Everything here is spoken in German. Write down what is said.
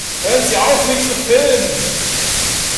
Hören Sie auf, mich zu filmen!